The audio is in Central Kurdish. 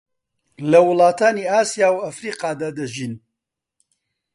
لە وڵاتانی ئاسیا و ئەفریقادا دەژین